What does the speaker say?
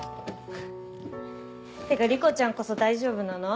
ってか莉子ちゃんこそ大丈夫なの？